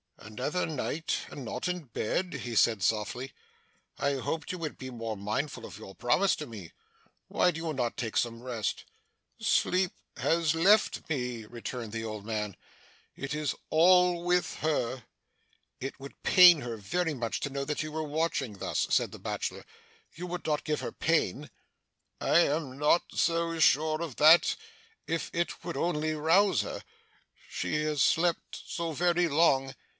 'Another night, and not in bed!' he said softly; 'I hoped you would be more mindful of your promise to me. Why do you not take some rest?' 'Sleep has left me,' returned the old man. 'It is all with her!' 'It would pain her very much to know that you were watching thus,' said the bachelor. 'You would not give her pain?' 'I am not so sure of that, if it would only rouse her. She has slept so very long.